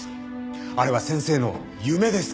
あれは先生の夢ですから。